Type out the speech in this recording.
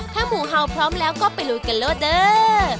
ถ้าหมูเห่าพร้อมแล้วก็ไปลุยกันโลดเด้อ